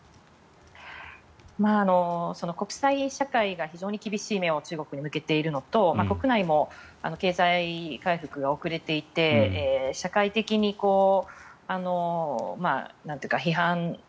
国際社会が非常に厳しい目を中国に向けているのと国内も経済回復が遅れていて社会的に批判